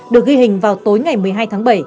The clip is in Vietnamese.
được ghi hình vào tối ngày một mươi hai tháng bảy